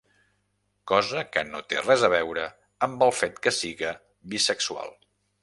Cosa que no té res a veure amb el fet que siga bisexual.